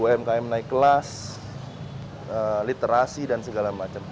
umkm naik kelas literasi dan segala macam